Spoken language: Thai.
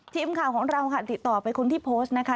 ทีมข่าวของเราค่ะติดต่อไปคนที่โพสต์นะคะ